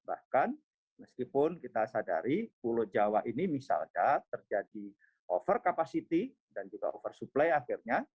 bahkan meskipun kita sadari pulau jawa ini misalnya terjadi over capacity dan juga oversupply akhirnya